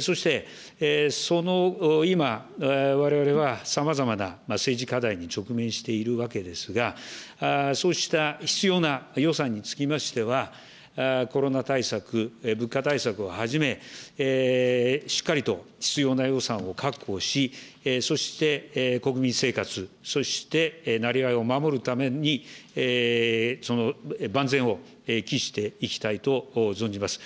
そして、その、今、われわれはさまざまな政治課題に直面しているわけですが、そうした必要な予算につきましては、コロナ対策、物価対策をはじめ、しっかりと必要な予算を確保し、そして国民生活、そして生業を守るために、万全を期していきたいと存じます。